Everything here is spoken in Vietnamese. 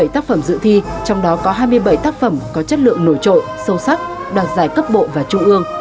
một trăm chín mươi bảy tác phẩm dự thi trong đó có hai mươi bảy tác phẩm có chất lượng nổi trội sâu sắc đoạt giải cấp bộ và trung ương